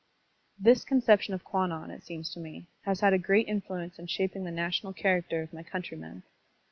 .... This conception of Kwannon, it seems to me, has had a great influence in shaping the national character of my countrymen.